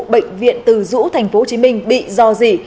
bệnh viện từ dũ tp hcm bị dò dỉ